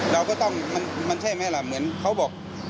เราก็ต้องมันใช่ไหมล่ะเหมือนเขาบอก